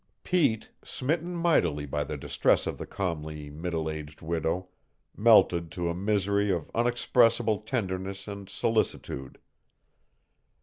Pete, smitten mightily by the distress of the comely middle aged widow, melted to a misery of unexpressible tenderness and solicitude.